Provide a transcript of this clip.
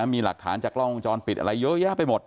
มีหลักฐานจากกล้องวงจรปิดอะไรเยอะแยะไปหมด